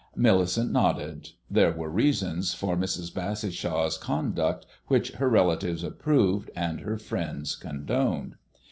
Millicent nodded. There were reasons for Mrs. Bassishaw's conduct which her relatives approved and her friends condoned.